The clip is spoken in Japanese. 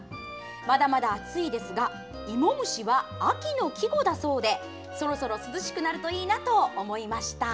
まだまだ暑いですが芋虫は秋の季語だそうでそろそろ涼しくなるといいなと思いました。